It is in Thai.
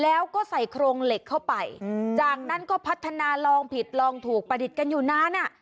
แล้วก็ใส่โครงเหล็กเข้าไปจากนั้นก็พัฒนาลองผิดลองถูกประดิษฐ์กันอยู่นานอ่ะ